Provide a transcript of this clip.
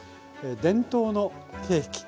伝統のケーキ。